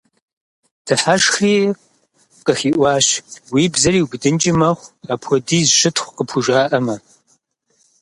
Дыхьэшхри, къыхиӀуащ: – Уи бзэр иубыдынкӀи мэхъу, апхуэдиз щытхъу къыпхужаӀэмэ.